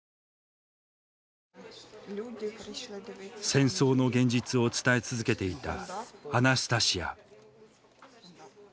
戦争の現実を伝え続けていたアナスタシヤ。